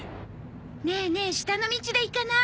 ねえねえ下の道で行かない？